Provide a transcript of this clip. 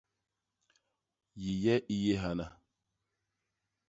Yiye i yé hana.